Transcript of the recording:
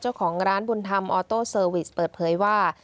เจ้าของร้านบุญธรรมออโต้เซอร์วิสเปิดเผยว่า